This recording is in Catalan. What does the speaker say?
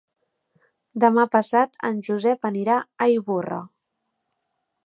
Demà passat en Josep anirà a Ivorra.